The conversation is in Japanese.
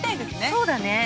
◆そうだね。